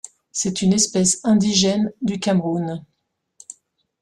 C’est une espèce indigène du Cameroun.